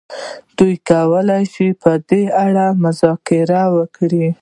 دوی کولای شي په دې اړه مذاکره وکړي.